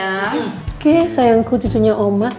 oke sayangku cucunya oma